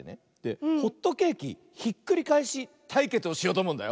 ホットケーキひっくりかえしたいけつをしようとおもうんだよ。